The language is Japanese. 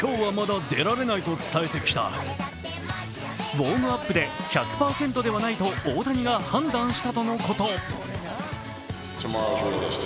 ウォームアップで１００％ではないと大谷が判断したとのこと。